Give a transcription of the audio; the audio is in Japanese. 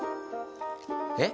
えっ？